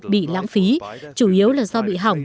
bị lãng phí chủ yếu là do bị hỏng